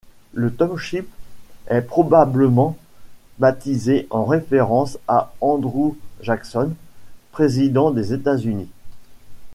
Le township est probablement baptisé en référence à Andrew Jackson, président des États-Unis.